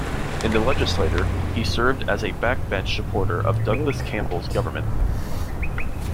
In the legislature, he served as a backbench supporter of Douglas Campbell's government.